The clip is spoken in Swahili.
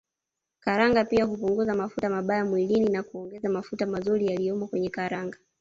Karanga pia hupunguza mafuta mabaya mwilini na kuongeza mafuta mazuri yaliyomo kwenye karanga